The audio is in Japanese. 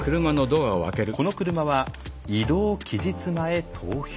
この車は移動期日前投票所。